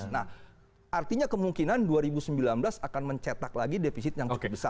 nah artinya kemungkinan dua ribu sembilan belas akan mencetak lagi defisit yang cukup besar